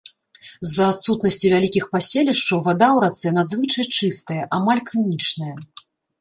З-за адсутнасці вялікіх паселішчаў вада ў рацэ надзвычай чыстая, амаль крынічная.